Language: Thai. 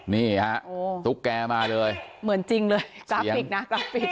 นี่ฮะตุ๊กแกมาเลยเหมือนจริงเลยกราฟิกนะกราฟิก